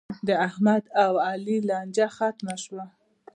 د احمد او علي لانجه ختمه شوه.